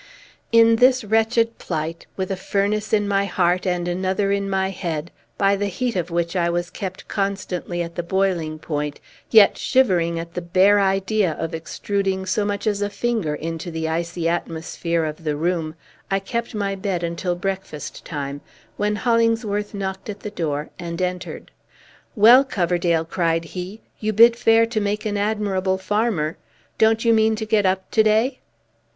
In this wretched plight, with a furnace in my heart and another in my head, by the heat of which I was kept constantly at the boiling point, yet shivering at the bare idea of extruding so much as a finger into the icy atmosphere of the room, I kept my bed until breakfast time, when Hollingsworth knocked at the door, and entered. "Well, Coverdale," cried he, "you bid fair to make an admirable farmer! Don't you mean to get up to day?"